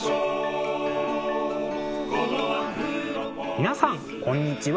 皆さんこんにちは。